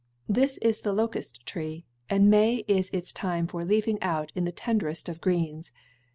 This is the locust tree, and May is its time for leafing out in the tenderest of greens.